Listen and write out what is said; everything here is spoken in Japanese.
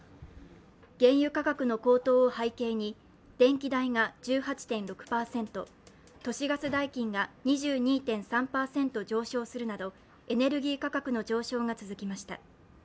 原油価格の高騰を背景に電気代が１８．６％都市ガス代金が２２．３％上昇するなどエネルギー価格の上昇が続きました。